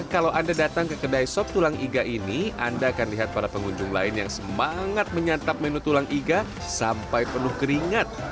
kalau anda datang ke kedai sop tulang iga ini anda akan lihat para pengunjung lain yang semangat menyantap menu tulang iga sampai penuh keringat